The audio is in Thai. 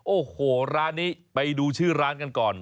โอ้โหร้านนี้ไปดูชื่อร้านกันก่อน